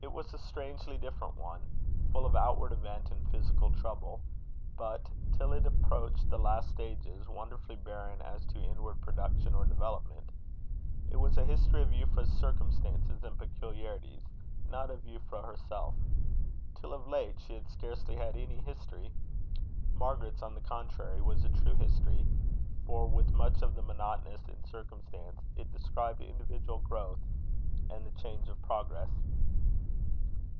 It was a strangely different one full of outward event and physical trouble; but, till it approached the last stages, wonderfully barren as to inward production or development. It was a history of Euphra's circumstances and peculiarities, not of Euphra herself. Till of late, she had scarcely had any history. Margaret's, on the contrary, was a true history; for, with much of the monotonous in circumstance, it described individual growth, and the change of progress.